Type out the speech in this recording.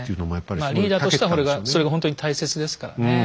まあリーダーとしてはそれがほんとに大切ですからね。